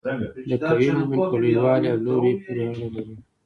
د قوې مومنت په لوی والي او لوري پورې اړه لري.